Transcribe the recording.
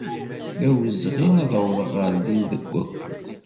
D awezɣi ad awḍeɣ ɣer din deg wakud.